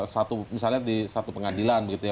satu misalnya di satu pengadilan begitu ya